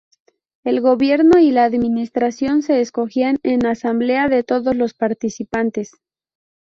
El gobierno y la administración se escogían en asamblea de todos los participantes.